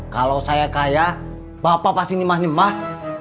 kalau saya kaya bapak pasti menimah nimah